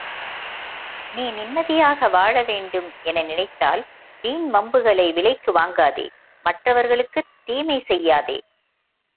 நீ நிம்மதியாக வாழ வேண்டும் என நினைத்தால் வீண் வம்புகளை விலைக்கு வாங்காதே மற்றவர்களுக்குத் தீமை செய்யாதே.